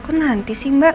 kok nanti sih mbak